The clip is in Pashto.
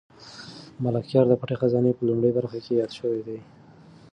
ملکیار د پټې خزانې په لومړۍ برخه کې یاد شوی دی.